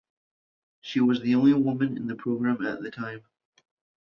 She was the only woman in the program at the time.